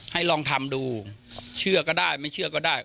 ให้ลองทำดูเชื่อก็ได้ไม่เชื่อก็ได้